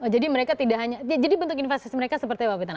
jadi mereka tidak hanya jadi bentuk investasi mereka seperti apa pak pitanang